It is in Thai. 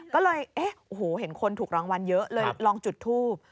ก็เลยเอ๊ะเห็นคนถูกรางวัลเยอะเลยลองจุดทูบ